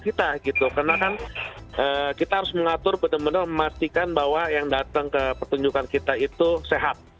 karena kan kita harus mengatur benar benar memastikan bahwa yang datang ke pertunjukan kita itu sehat